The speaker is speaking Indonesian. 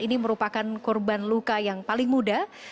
ini merupakan korban luka yang paling muda